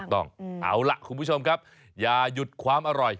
ต้องเอาล่ะคุณผู้ชมครับอย่าหยุดความอร่อย